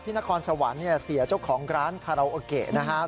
ที่นครสวรรค์เนี่ยเสียเจ้าของการ์โอเกะนะฮะ